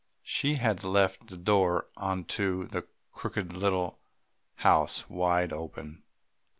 She had left the door into the crooked little house wide open.